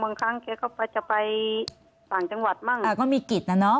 บางครั้งเขาก็จะไปฟังจังหวัดบ้างอ่าก็มีกฤทธิ์น่ะเนอะ